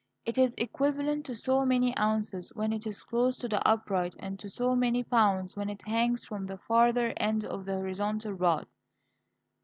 It is equivalent to so many ounces when it is close to the upright, and to so many pounds when it hangs from the farther end of the horizontal rod.